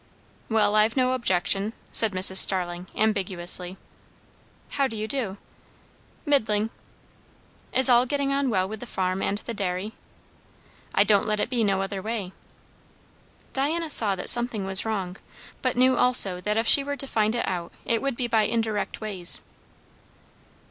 "Well, I've no objection," said Mrs. Starling ambiguously. "How do you do?" "Middling." "Is all getting on well with the farm and the dairy?" "I don't let it be no other way." Diana saw that something was wrong, but knew also that if she were to find it out it would be by indirect ways.